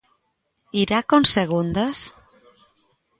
Irá con segundas?